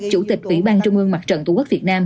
chủ tịch ủy ban trung ương mặt trận tổ quốc việt nam